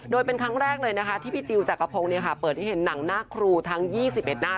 โดยเป็นครั้งแรกเลยนะคะที่พี่จิลจักรพงศ์เปิดให้เห็นหนังหน้าครูทั้ง๒๑หน้า